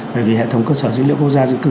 bởi vì hệ thống cơ sở dữ liệu quốc gia dân cư